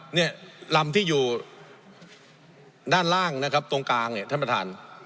เนี่ยลำที่อยู่ด้านล่างนะครับตรงกลางเนี่ยท่านประธาน